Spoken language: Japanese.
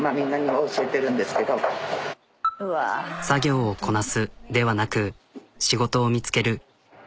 「作業をこなす」ではなく仕事を見つける。